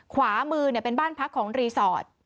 ขวามือเป็นบ้านพักของรีสอร์ท